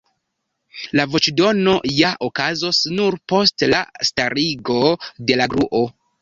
La voĉdono ja okazos nur post la starigo de la gruo.